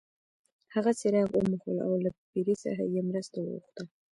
هغه څراغ وموښلو او له پیري څخه یې مرسته وغوښته.